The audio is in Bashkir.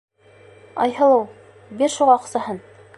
Айһылыу, бир шуға аҡсаһын!